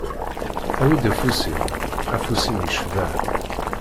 Awi-d afus-im, afus-im yecbeḥ.